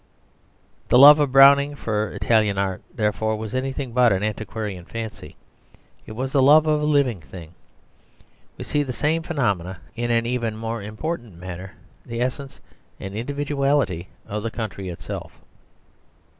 The love of Browning for Italian art, therefore, was anything but an antiquarian fancy; it was the love of a living thing. We see the same phenomenon in an even more important matter the essence and individuality of the country itself.